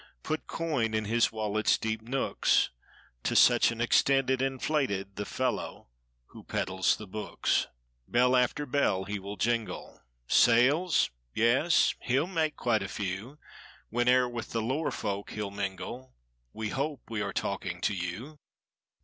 Put coin in his wallet's deep nooks. To such an extent it inflated The fellow who peddles the books. 137 Bell after bell he will jingle, Sales? Yes, he'll make quite a few. Whene'er with the lore folk he'll mingle (We hope we are talking to you).